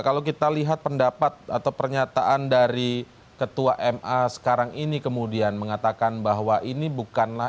kalau kita lihat pendapat atau pernyataan dari ketua ma sekarang ini kemudian mengatakan bahwa ini bukanlah